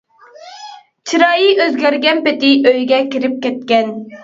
چىرايى ئۆزگەرگەن پېتى ئۆيىگە كىرىپ كەتكەن.